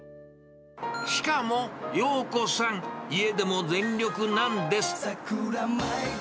しかも、ようこさん、家でも全力なんです。